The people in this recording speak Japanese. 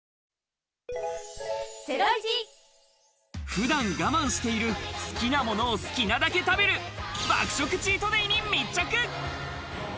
普段、我慢している好きなものを好きなだけ食べる爆食チートデイに密着。